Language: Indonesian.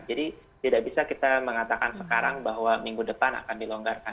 jadi tidak bisa kita mengatakan sekarang bahwa minggu depan akan dilonggarkan